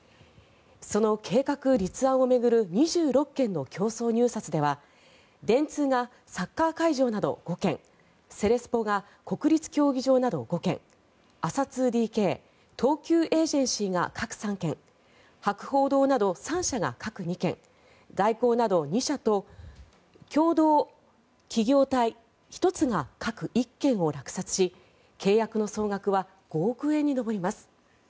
その計画立案を巡る２６件の競争入札では電通がサッカー会場など５件セレスポが国立競技場など５件アサツーディ・ケイ東急エージェンシーが各３件博報堂など３社が各２件大広など２社と共同企業体１つが各１件を落札し契約の総額は５億円に上ります。